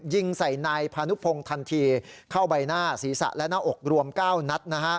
ยิงใส่นายพานุพงศ์ทันทีเข้าใบหน้าศีรษะและหน้าอกรวม๙นัด